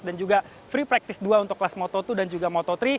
dan juga free practice dua untuk kelas moto dua dan juga moto tiga